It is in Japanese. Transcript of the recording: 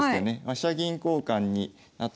飛車銀交換になって。